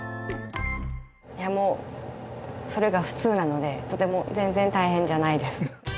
いやもうそれが普通なのでとても全然大変じゃないです。